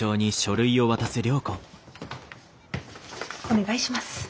お願いします。